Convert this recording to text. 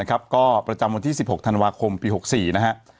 ก็ประจำวันที่๑๖ธันวาคมปี๖๔นะฮะ